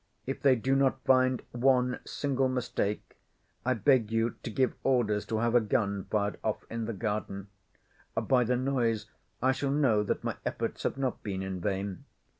If they do not find one single mistake, I beg you to give orders to have a gun fired off in the garden. By the noise I shall know that my efforts have not been in vain.